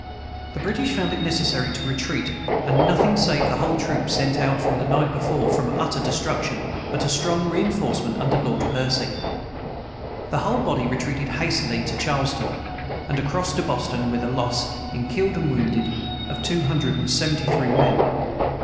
The British found it necessary to retreat, and nothing saved the whole troop sent out the night before from utter destruction, but a strong reinforcement under Lord Percy. The whole body retreated hastily to Charlestown, and across to Boston, with a loss, in killed and wounded, of two hundred and seventy three men.